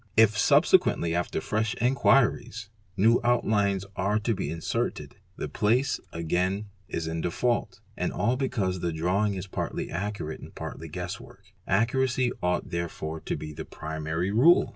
If subsequen ys after fresh inquiries, new outlines are to be inserted—'" the place again is DRAWING 451 in default", and all because the drawing is partly accurate and partly guess work. Accuracy ought therefore to be the primary rule.